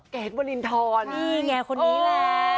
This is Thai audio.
เกศวรรณฑรนี่แหงคนนี้แหละ